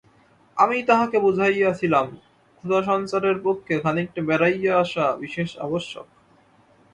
আমিই তাঁহাকে বুঝাইয়াছিলাম, ক্ষুধাসঞ্চারের পক্ষে খানিকটা বেড়াইয়া আসা বিশেষ আবশ্যক।